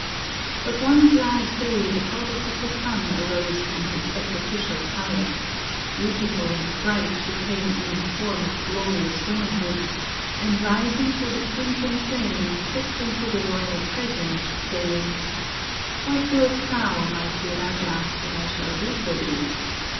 But one glad day the goddess of the sun arose from his sacrificial fire ; beautiful and bright she came in the form of glorious womanhood, and rising through the crimson flame stepped into the royal presence, saying: *'What wilt thou, mighty Raja, that I shall do for thee?